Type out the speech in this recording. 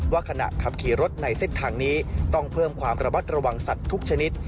ว่าขณะขับขี่รถในเส้นทางนี้ต้องเพิ่มความระมัดระวังสัตว์ทุกชนิด